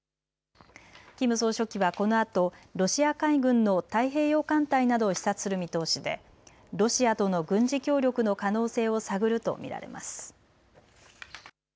キム総書記はこのあとロシア海軍の太平洋艦隊などを視察する見通しでロシアとの軍事協力の可能性を探ると見られます。